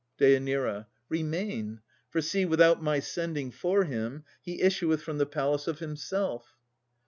DÊ. Remain. For see, without my sending for him, He issueth from the palace of himself.